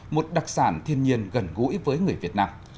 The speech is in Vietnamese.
một đặc sản thiên nhiên gần gũi với người việt nam